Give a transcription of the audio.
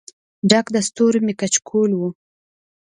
ډک د ستورو مې کچکول و